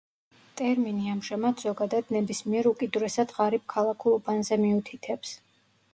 ტერმინი ამჟამად ზოგადად ნებისმიერ უკიდურესად ღარიბ ქალაქურ უბანზე მიუთითებს.